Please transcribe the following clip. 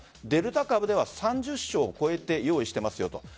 デルタ株では３０床を超えて用意していますよと。